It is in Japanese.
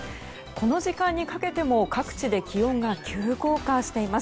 この時間にかけても各地で気温が急降下しています。